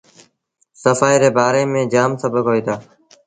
سڦآئيٚ ري بآري ميݩ جآم سبڪ هوئيٚتآ۔